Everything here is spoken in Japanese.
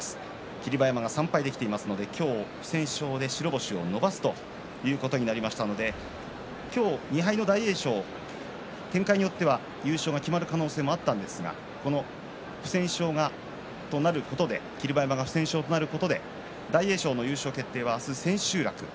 霧馬山が３敗できていますので今日、不戦勝で白星を伸ばすということになりましたので今日２敗の大栄翔展開によっては優勝が決まる可能性もあったんですが霧馬山が不戦勝となることで大栄翔の優勝決定は明日千秋楽。